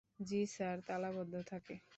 জ্বি স্যার, তালাবন্ধ থাকে।